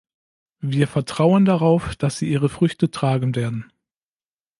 Wir vertrauen darauf, dass sie ihre Früchte tragen werden.